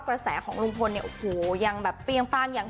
กระแสของลุงพลเนี่ยโอ้โหยังแบบเปรี้ยงป้างอย่าง